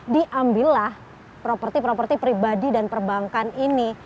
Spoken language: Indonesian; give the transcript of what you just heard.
diambillah properti properti pribadi dan perbankan ini